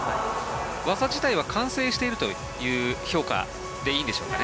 技自体は完成しているという評価でいいんでしょうかね。